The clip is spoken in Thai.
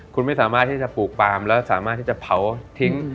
คุณไม่สามารถที่จะปลูกปลามแล้วสามารถที่จะเผาทิ้ง